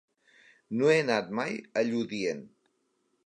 No he anat mai a Lludient.